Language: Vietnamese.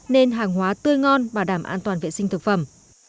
nên hàng hóa tươi ngon bảo đảm an toàn vệ sinh thực phẩm